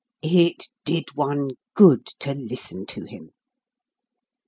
It did one good to listen to him.